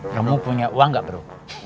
kamu punya uang nggak bro